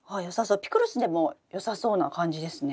ピクルスでもよさそうな感じですね。